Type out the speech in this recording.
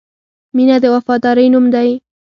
• مینه د وفادارۍ نوم دی.